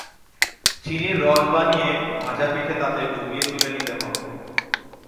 চিনির রস বানিয়ে ভাজা পিঠে তাতে ডুবিয়ে তুলে নিতে হবে।